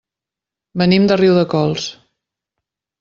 Venim de Riudecols.